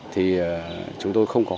thì chúng tôi không có